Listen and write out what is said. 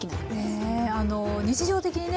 日常的にね